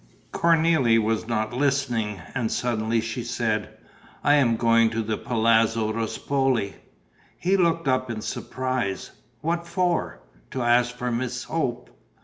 Cornélie was not listening; and suddenly she said: "I am going to the Palazzo Ruspoli." He looked up in surprise: "What for?" "To ask for Miss Hope."